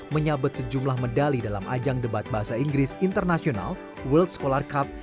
menyabet sejumlah medali dalam ajang debat bahasa inggris international world scholar cup